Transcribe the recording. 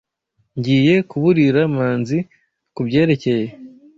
Ngiye kuburira Manzi kubyerekeye.